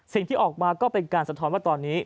สิ่งที่ออกมาก็เป็นการสะท้อนว่าตอนนี้